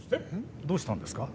どうしたんですか？